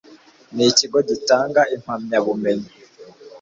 n ikigo gitanga impamyabumenyi